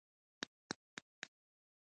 که تاوان وکړې خو صداقت وساتې، ته بریالی یې.